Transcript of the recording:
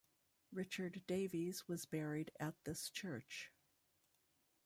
Richard Davies was buried at this church.